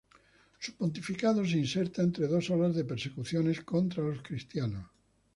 Su pontificado se inserta entre dos olas de persecuciones contra los cristianos.